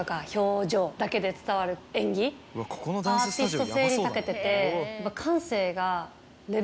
アーティスト性にたけてて。